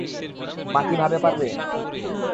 মা কি ভাবে পারবে?